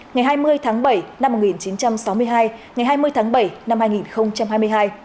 ngày hai mươi tháng bảy năm một nghìn chín trăm sáu mươi hai ngày hai mươi tháng bảy năm hai nghìn hai mươi hai